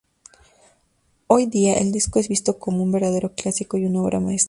Hoy día el disco es visto como un verdadero clásico y una obra-maestra.